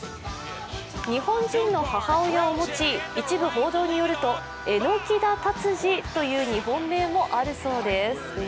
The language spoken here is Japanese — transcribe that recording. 日本人の母親を持ち、一部報道によると榎田達治という日本名もあるそうです。